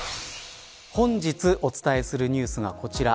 本日お伝えするニュースがこちら。